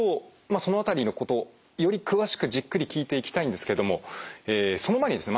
その辺りのことより詳しくじっくり聞いていきたいんですけどもその前にですね